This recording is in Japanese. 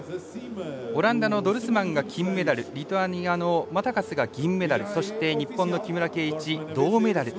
オランダのドルスマンが金メダルリトアニアのマタカスが銀メダルそして日本の木村敬一銅メダル。